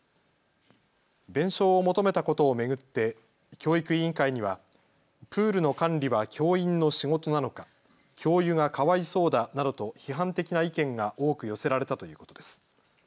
弁償を求めたことを巡って教育委員会にはプールの管理は教員の仕事なのか、教諭がかわいそうだなどと批判的な意見が多く寄せられたということです。